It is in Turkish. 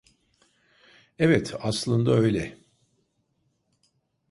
Evet, aslında öyle.